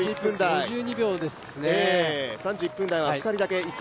５２秒ですね。